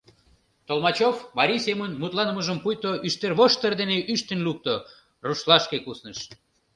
Толмачев марий семын мутланымыжым пуйто ӱштервоштыр дене ӱштын лукто, рушлашке кусныш: